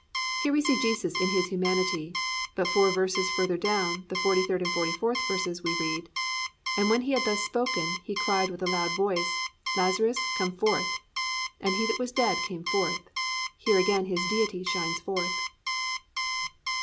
"+ Here we see Jesus in His humanity, but four verses further down, the 43rd and 44th verses, we read, +"And when He had thus spoken, He cried with a loud voice, Lazarus, come forth. And he that was dead came forth."+ Here again his Deity shines forth.